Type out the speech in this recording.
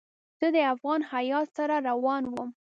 زه د افغان هیات سره روان وم.